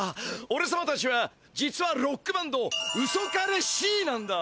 おれさまたちは実はロックバンド「ウソ彼Ｃ」なんだ。